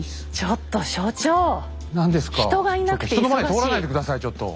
ちょっと人の前通らないで下さいちょっと。